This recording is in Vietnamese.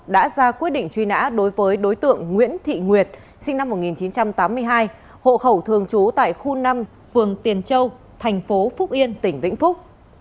đã ra quyết định truy nã đối với đối tượng nguyễn thị nguyệt sinh năm một nghìn chín trăm tám mươi hai hộ khẩu thường trú tại khu năm phường tiền châu thành phố phúc yên tỉnh vĩnh phúc